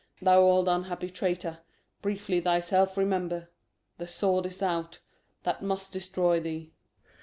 Thou old unhappy traitor, Briefly thyself remember. The sword is out That must destroy thee.